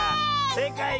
せいかい。